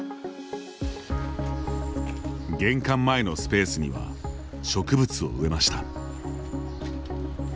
玄関前のスペースには植物を植えました。